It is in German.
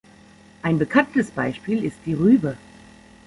Ein bekanntes Beispiel ist die Rübe.